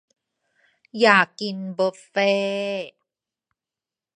อยากกินบุฟเฟ่